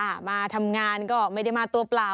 มาทำงานก็ไม่ได้มาตัวเปล่า